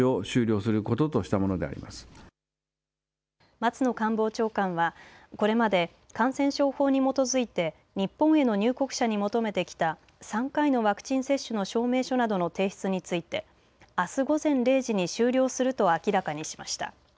松野官房長官はこれまで感染症法に基づいて日本への入国者に求めてきた３回のワクチン接種の証明書などの提出についてあす午前０時に終了すると明らかにしました。